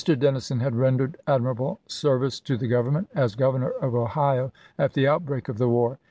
Dennison had rendered admirable service to the Government, as Governor of Ohio, at the outbreak of the war.